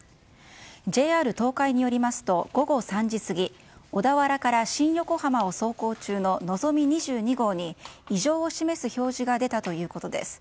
ＪＲ東海によりますと午後３時過ぎ小田原から新横浜を走行中の「のぞみ２２号」に異常を示す表示が出たということです。